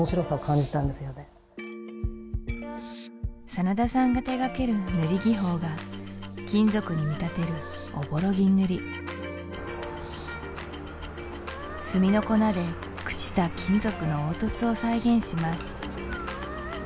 真田さんが手がける塗り技法が金属に見立てる朧銀塗炭の粉で朽ちた金属の凹凸を再現します